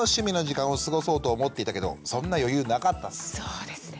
そうですね。